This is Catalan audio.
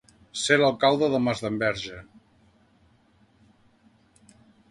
Ser l'alcalde de Masdenverge.